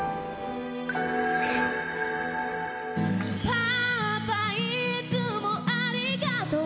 「パパいつもありがとう」